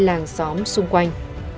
hay làng xóm xung quanh